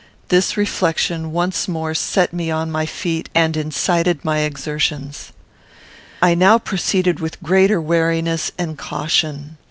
This reflection once more set me on my feet and incited my exertions. I now proceeded with greater wariness and caution.